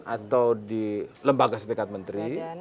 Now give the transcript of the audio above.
atau di lembaga sedekat menteri